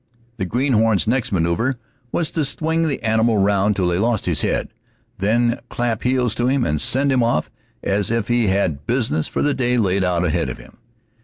The greenhorn's next maneuver was to swing the animal round till he lost his head, then clap heels to him and send him off as if he had business for the day laid out ahead of him.